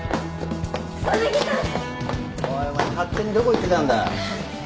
おいお前勝手にどこ行ってたんだ。